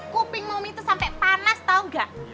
kuping mami tuh sampe panas tau gak